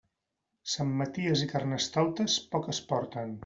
Sant Maties i Carnestoltes, poc es porten.